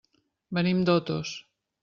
Venim d'Otos.